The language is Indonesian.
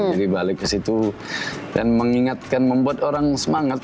jadi balik ke situ dan mengingatkan membuat orang semangat